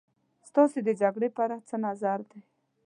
ستاسې د جګړې په اړه څه نظر دی.